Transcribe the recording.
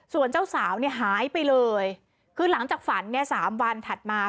ส่วนเจ้าสาวเนี่ยหายไปเลยคือหลังจากฝันเนี่ยสามวันถัดมา